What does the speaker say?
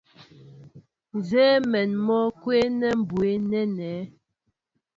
Nzɛ́ɛ́ mɛ̌n mɔ́ kwɔ́nɛ byə̌ nɛ́nɛ́.